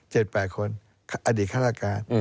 เจ็ดแปดคนอดีตฆาตกาศ